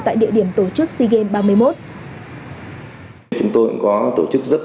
tại địa điểm tổ chức sea games ba mươi một